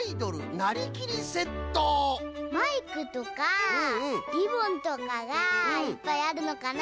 マイクとかリボンとかがいっぱいあるのかな？